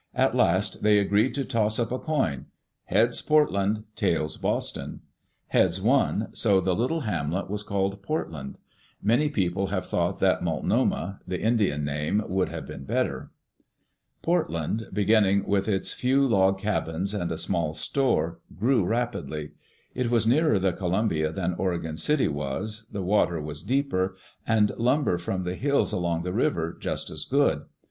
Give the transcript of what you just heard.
At last they agreed to toss up a coin — "Heads, Portland; tails, Boston." Heads won, so the little hamlet was called Portland. Many people have thought that Multnomah, the Indian name, would have been better. Portland, beginning with its few log cabins and a small store, grew rapidly. It was nearer the Columbia than Oregon City was, the water was deeper, and lumber from the hills along the river just as good.